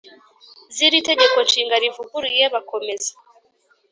Z’iri Tegeko Nshinga rivuguruye bakomeza